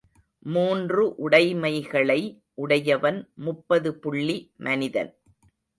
மூன்று உடைமைகளை உடையவன் முப்பது புள்ளி மனிதன்.